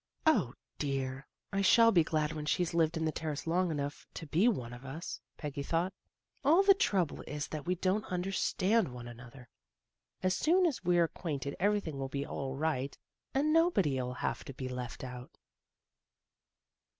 " dear! I shall be glad when she's lived in the Terrace long enough to be one of us," THE GIRL NEXT DOOR 33 Peggy thought. " All the trouble is that we don't understand one another. As soon as we're acquainted everything will be all right, and nobody '11 have to be left out."